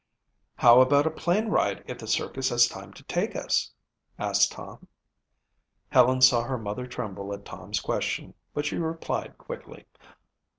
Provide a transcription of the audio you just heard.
"How about a plane ride if the circus has time to take us?" asked Tom. Helen saw her mother tremble at Tom's question, but she replied quickly.